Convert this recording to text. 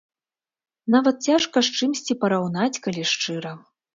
Нават цяжка з чымсьці параўнаць, калі шчыра.